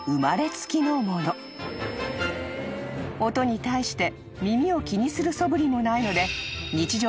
［音に対して耳を気にするそぶりもないので］